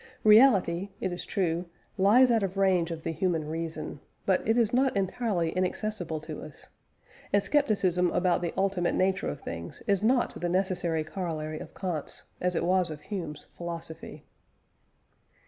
Reality, it is true, lies out of range of the human reason, but it is not entirely inaccessible to us, and scepticism about the ultimate nature of things is not the necessary corollary of Kant's, as it was of Hume's, philosophy.